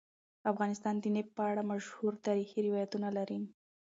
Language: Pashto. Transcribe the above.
افغانستان د نفت په اړه مشهور تاریخی روایتونه لري.